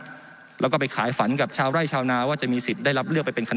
สธนชเราก็ไปขายฝันกับชาวใร่ชาวนาว่าในสิทธิ์ได้รับเลือก